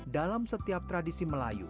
dalam setiap tradisi melayu